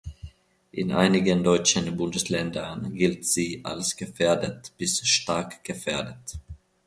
In einigen deutschen Bundesländern gilt sie als gefährdet bis stark gefährdet.